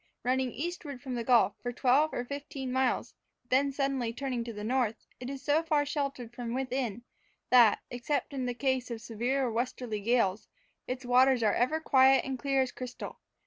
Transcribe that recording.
Running eastward from the gulf for twelve or fifteen miles, then turning suddenly to the North, it is so far sheltered from within, that, except in case of severe westerly gales, its waters are ever quiet and clear as crystal.